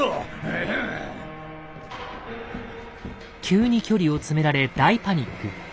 急に距離を詰められ大パニック。